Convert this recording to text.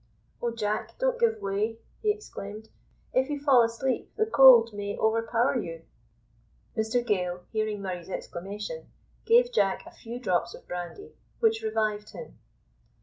"Oh, Jack, don't give way," he exclaimed. "If you fall asleep, the cold may overpower you." Mr Gale, hearing Murray's exclamation, gave Jack a few drops of brandy, which revived him.